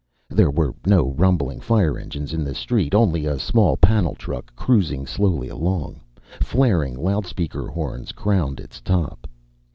There were no rumbling fire engines in the street, only a small panel truck, cruising slowly along. Flaring loudspeaker horns crowned its top.